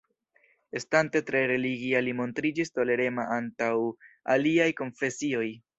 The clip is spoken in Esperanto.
Estante tre religia li montriĝis tolerema antaŭ aliaj konfesioj.